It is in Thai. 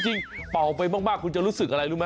เป่าไปมากคุณจะรู้สึกอะไรรู้ไหม